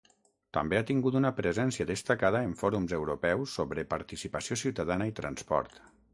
També ha tingut una presència destacada en fòrums europeus sobre participació ciutadana i transport.